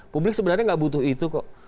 publik sebenarnya nggak butuh itu kok